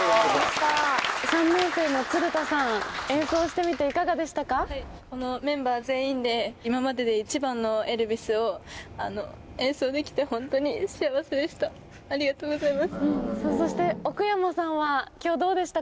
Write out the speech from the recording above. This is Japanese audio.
３年生のつるたさん、演奏しメンバー全員で、今までで一番のエルヴィスを演奏できて、本当に幸せでした。